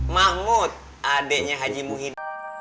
mahmud adeknya haji muhid